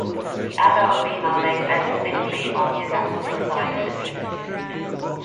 The adult female lays eggs singly on the adaxial side of the leaves.